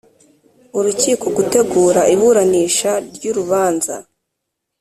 Urukiko gutegura iburanisha ry urubanza